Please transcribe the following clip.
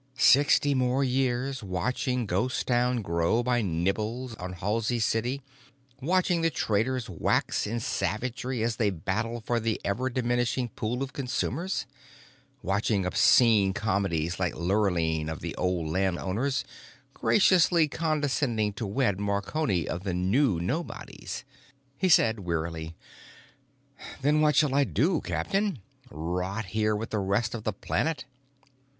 Sixty more years watching Ghost Town grow by nibbles on Halsey City, watching the traders wax in savagery as they battled for the ever diminishing pool of consumers, watching obscene comedies like Lurline of the Old Landowners graciously consenting to wed Marconi of the New Nobodies? He said wearily: "Then what shall I do, Captain? Rot here with the rest of the planet?"